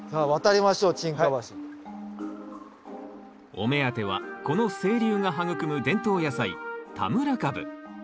お目当てはこの清流が育む伝統野菜田村かぶ。